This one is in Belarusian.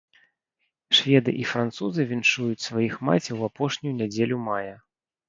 Шведы і французы віншуюць сваіх маці ў апошнюю нядзелю мая.